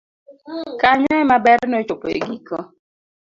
kanyo ema ber nochopo e giko